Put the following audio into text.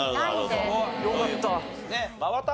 よかった。